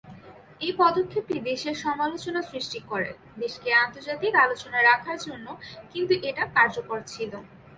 এই পদক্ষেপ টি দেশে সমালোচনার সৃষ্টি করে, দেশকে আন্তর্জাতিক আলোচনায় রাখার জন্য, কিন্তু এটি কার্যকর ছিল।